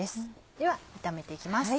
では炒めていきます。